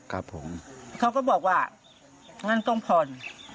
เขาก็บอกว่างั้นต้องผ่อน